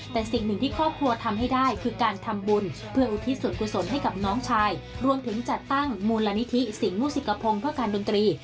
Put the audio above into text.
แต่สิ่งหนึ่งที่ครอบครัวทำให้ได้คือการทำบุญเพื่ออุทิศส่วนกุศลให้กับน้องชายรวมถึงจัดตั้งมูลนิธิสิงหมุสิกพงศ์เพื่อการดนตรี